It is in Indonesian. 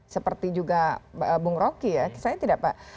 seperti juga bung roky ya saya tidak pak